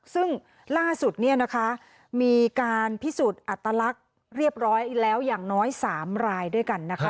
ซึ่งล่าสุดเนี่ยนะคะมีการพิสูจน์อัตลักษณ์เรียบร้อยแล้วอย่างน้อย๓รายด้วยกันนะคะ